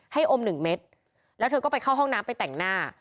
อมหนึ่งเม็ดแล้วเธอก็ไปเข้าห้องน้ำไปแต่งหน้า